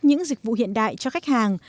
những dịch vụ hiện đại cho khách hàng